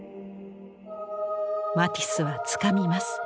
マティスはつかみます。